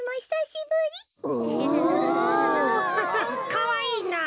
かわいいな。